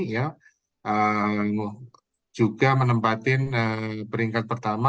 jatim juga menempatkan peringkat pertumbuhan